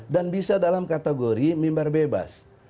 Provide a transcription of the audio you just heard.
dan bisa dalam kategori mimbar bebas